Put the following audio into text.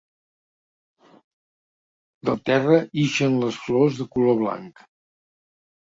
Del terra ixen les flors de color blanc.